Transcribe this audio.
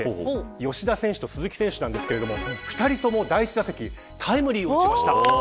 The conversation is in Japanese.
吉田選手と鈴木選手なんですけど２人とも第１打席タイムリーを打ちました。